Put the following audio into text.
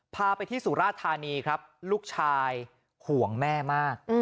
พาไปที่สุราธานีครับลูกชายห่วงแม่มาก